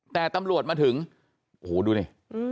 แต่ตำรวจมาถึงโอ้โหดูดิ